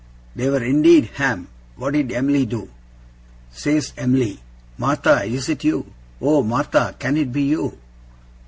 'They were indeed, Ham. What did Em'ly do?' 'Says Em'ly, "Martha, is it you? Oh, Martha, can it be you?"